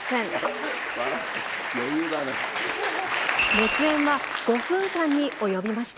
熱演は５分間に及びました。